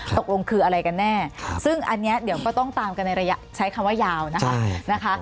ตกลงคืออะไรกันแน่ซึ่งอันนี้เดี๋ยวก็ต้องตามกันในระยะใช้คำว่ายาวนะคะ